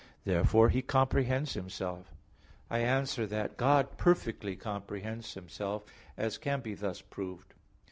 Therefore He comprehends Himself. I answer that, God perfectly comprehends Himself, as can be thus proved.